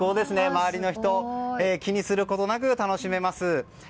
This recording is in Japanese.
周りの人を気にすることなく楽しめます。